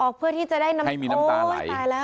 คือสัตว์ใกล้สงสัยภัณฑ์แล้ว